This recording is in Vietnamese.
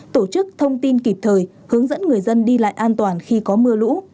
tổ chức thông tin kịp thời hướng dẫn người dân đi lại an toàn khi có mưa lũ